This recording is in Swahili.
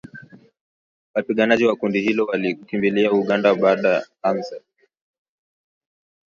Wapiganaji wa kundi hilo walikimbilia Uganda baada ya kuzidiwa na na wanajeshi wa Tanzania, Malawi, Jamuhuri ya kidemokrasia ya kongo na Afrika kusini